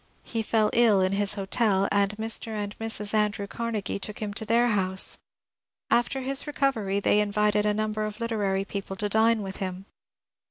He fell ill in his hotel, and Mr. and Mrs. Andrew Carnegie took him to their house. After his recovery they invited a number of literary people to dine with him.